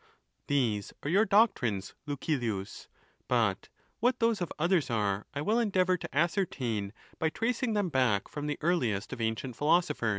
These are your doctrines, Lucilius ; but what those of others are I will endeavor to ascertain by tracing them baqk from the earliest of ancient jihilosophers.